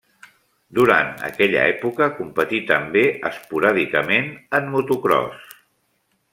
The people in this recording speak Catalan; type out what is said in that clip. Durant aquella època competí també esporàdicament en motocròs.